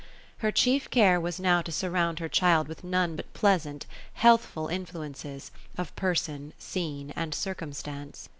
Her chief care was now to surround her child with none but pleasantj healthful influences, of person, scene, and circumstance.